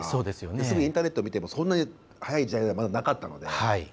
すぐにインターネット見てもそんなに早い時代ではなかったので。